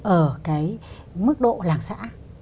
ở cái mức độ làng xã